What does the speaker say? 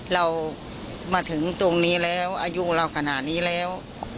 เรามาถึงตรงนี้แล้วอายุเราขนาดนี้แล้ว